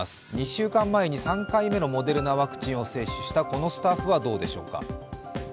２週間前に３回目のモデルナワクチンを接種した、このスタッフはどうでしょうか？